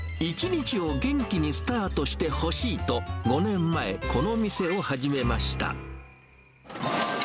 １日を元気にスタートしてほしいと、５年前、この店を始めました。